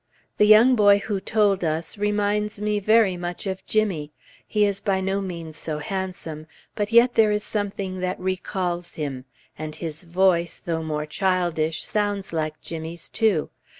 The young boy who told us, reminds me very much of Jimmy; he is by no means so handsome, but yet there is something that recalls him; and his voice, though more childish, sounds like Jimmy's, too.